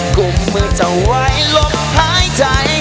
กลุ่มมือเจ้าไว้ลมหายใจ